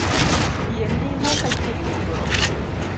Yie nimo ka chiegni gowo